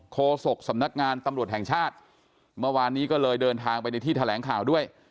โศกสำนักงานตำรวจแห่งชาติเมื่อวานนี้ก็เลยเดินทางไปในที่แถลงข่าวด้วย